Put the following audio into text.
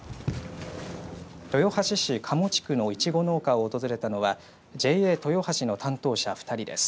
豊橋市賀茂地区のいちご農家を訪れたのはＪＡ豊橋の担当者２人です。